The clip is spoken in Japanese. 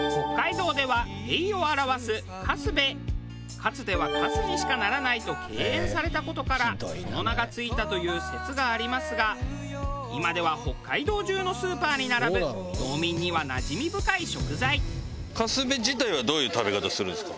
かつてはカスにしかならないと敬遠された事からその名が付いたという説がありますが今では北海道中のスーパーに並ぶカスベ自体はどういう食べ方するんですか？